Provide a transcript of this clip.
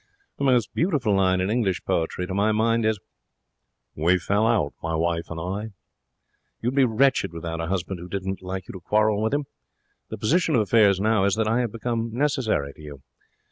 The most beautiful line in English poetry, to my mind, is, "We fell out, my wife and I." You would be wretched with a husband who didn't like you to quarrel with him. The position of affairs now is that I have become necessary to you.